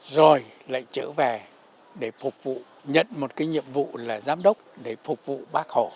rồi lại trở về để phục vụ nhận một cái nhiệm vụ là giám đốc để phục vụ bác hò